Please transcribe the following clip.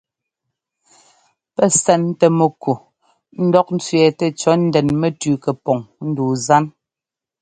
Pɛ́ sɛntɛ mɛku ńdɔk ńtsẅɛ́ɛtɛ cɔ̌ ndɛn mɛtʉʉ kɛpɔŋ ndu zan.